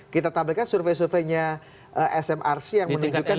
kita tampilkan survei surveinya smrc yang menunjukkan di mana sih